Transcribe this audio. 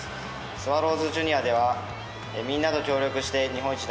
スワローズジュニアではみんなと協力して日本一奪還します。